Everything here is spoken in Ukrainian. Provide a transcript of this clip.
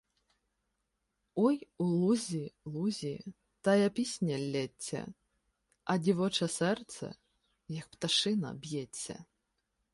Ой, у лузі-лузі тая пісня ллється, А дівоче серце, як пташина, б’ється